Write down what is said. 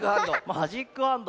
マジックハンド。